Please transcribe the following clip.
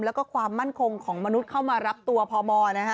แล้วก็ความมั่นคงของมนุษย์เข้ามารับตัวพมนะฮะ